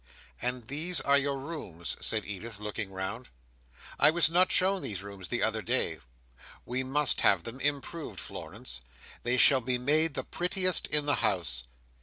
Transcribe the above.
"And these are your rooms," said Edith, looking round. "I was not shown these rooms the other day. We must have them improved, Florence. They shall be made the prettiest in the house."